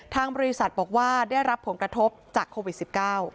ทางบริษัทบอกว่าได้รับผลกระทบจากโควิด๑๙